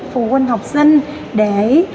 phụ huynh học sinh để